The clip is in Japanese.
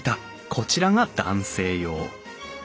こちらが男性用。